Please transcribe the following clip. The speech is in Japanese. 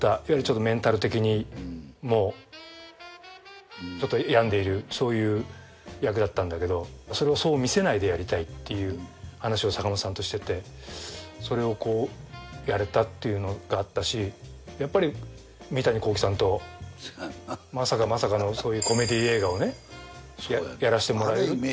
いわゆるちょっとメンタル的に病んでいるそういう役だったんだけどそれをそう見せないでやりたいっていう話を阪本さんとしててそれをやれたっていうのがあったしやっぱり三谷幸喜さんとまさかまさかのそういうコメディ映画をやらせてもらえる。